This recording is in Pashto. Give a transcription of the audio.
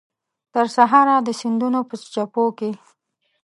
ترسهاره د سیندونو په څپو کې